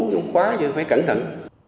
cũng khóa cho phải cẩn thận